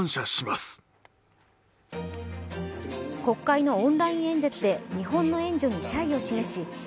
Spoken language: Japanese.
国会のオンライン演説で日本の援助に謝意を示し